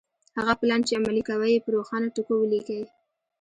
هغه پلان چې عملي کوئ يې په روښانه ټکو وليکئ.